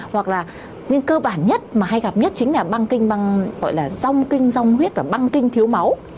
hoặc là nguyên cơ bản nhất mà hay gặp nhất chính là băng kinh băng gọi là rong kinh rong huyết và băng kinh thiếu máu